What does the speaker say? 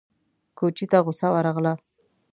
کوچي ته غوسه ورغله!